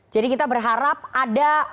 jadi kita berharap ada